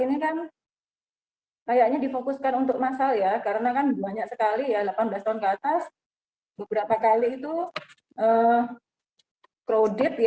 nah kita fokus untuk dosis kedua